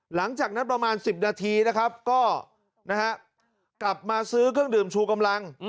หลังจากนั้นประมาณ๑๐นาทีนะครับก็กลับมาซื้อเครื่องดื่มชูกำลัง